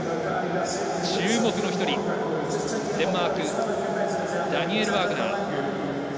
注目の１人デンマークダニエル・ワグナー。